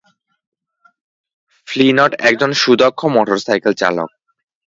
Flint একজন সুদক্ষ motorcycle চালক।